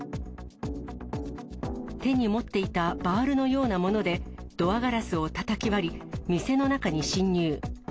手に持っていたバールのようなものでドアガラスをたたき割り、店の中に侵入。